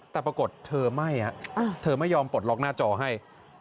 แต่ปรากฏเธอไม่เธอไม่ยอมปลดล็อกหน้าจอให้